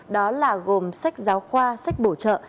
đó là gồm sách giáo khoa sách bổ trợ